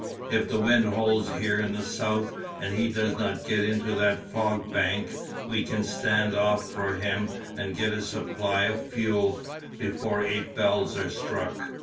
If the wind holds here in the south, and he does not get into that fog bank, we can stand off for him and get a supply of fuel before eight bells are struck."